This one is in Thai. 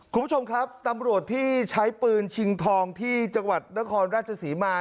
คุณผู้ชมครับตำรวจที่ใช้ปืนชิงทองที่จังหวัดนครราชศรีมา